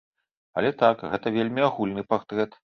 Але так, гэта вельмі агульны партрэт.